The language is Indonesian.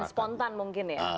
dan spontan mungkin ya